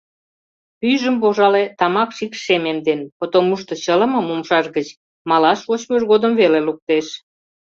Пӱйжым, пожале, тамак шикш шемемден, потомушто чылымым умшаж гыч малаш вочмыж годым веле луктеш.